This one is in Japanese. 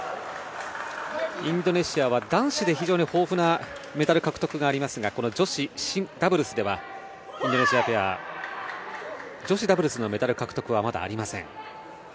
インドネシアは男子で非常に豊富なメダル獲得がありますがこの女子ダブルスではインドネシアペア女子ダブルスのメダル獲得はまだありません。